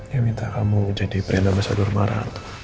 yang minta kamu jadi perendah masa durmara